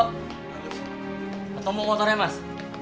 ketemu motornya mas